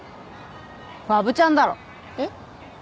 わぶちゃんだろえっ？